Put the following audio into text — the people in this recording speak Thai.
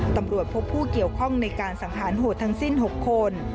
ตำรวจพบผู้เกี่ยวข้องในการสังหารโหดทั้งสิ้น๖คน